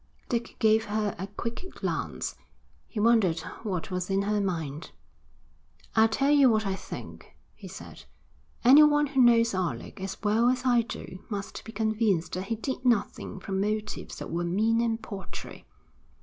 Dick gave her a quick glance. He wondered what was in her mind. 'I'll tell you what I think,' he said. 'Anyone who knows Alec as well as I do must be convinced that he did nothing from motives that were mean and paltry.